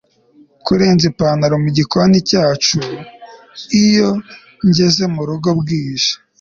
kurenza ipantaro mugikoni cacu iyo ngeze murugo bwije